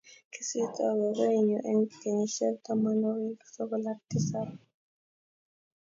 kisirto gogoenyu eng' kenyisiek tamanwokik sokol ak tisap.